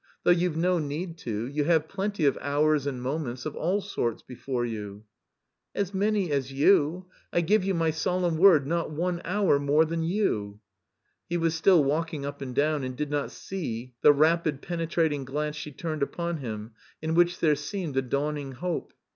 though you've no need to: you have plenty of 'hours' and 'moments' of all sorts before you." "As many as you; I give you my solemn word, not one hour more than you!" He was still walking up and down and did not see the rapid penetrating glance she turned upon him, in which there seemed a dawning hope.